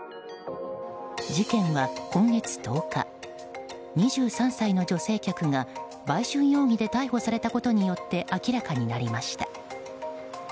事件は今月１０日２３歳の女性客が買春容疑で逮捕されたことによって明らかになりました。